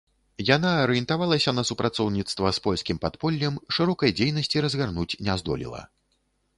Яна арыентавалася на супрацоўніцтва з польскім падполлем, шырокай дзейнасці разгарнуць не здолела.